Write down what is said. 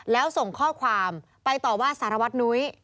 แล้วส่งข้อความไปต่อว่าสารวัตนุ้ย